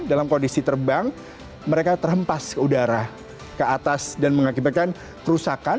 dalam kondisi terbang mereka terhempas ke udara ke atas dan mengakibatkan kerusakan